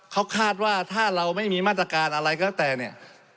เขาคาดว่าถ้าเราไม่มีมาตรการอะไรก็แล้วแต่เนี่ย